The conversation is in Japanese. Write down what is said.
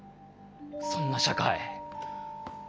そんな社会。